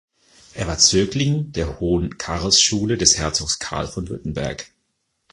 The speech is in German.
Er war Zögling der Hohen Karlsschule des Herzogs Carl von Württemberg.